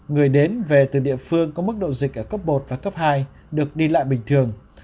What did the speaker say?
người đến về từ địa phương có mức độ dịch ở cấp một và cấp hai được đi lại bình thường